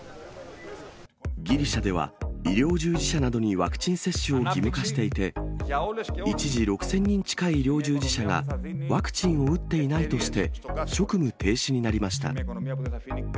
ギリシャでは、医療従事者などにワクチン接種を義務化していて、一時６０００人近い医療従事者がワクチンを打っていないとして、職務停止になりました。